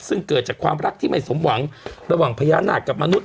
ซึ่งเกิดจากความรักที่ไม่สมหวังระหว่างพญานาคกับมนุษย